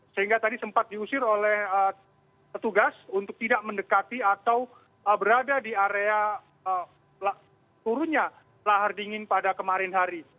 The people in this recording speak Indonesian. sehingga tadi sempat diusir oleh petugas untuk tidak mendekati atau berada di area turunnya lahar dingin pada kemarin hari